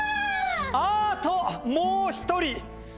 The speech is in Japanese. あともう１人！